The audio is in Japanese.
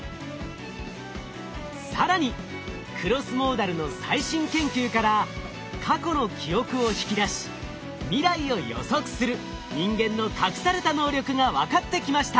更にクロスモーダルの最新研究から過去の記憶を引き出し未来を予測する人間の隠された能力が分かってきました。